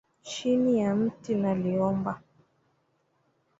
Chini ya mti naliomba,